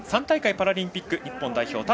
３大会パラリンピック日本代表。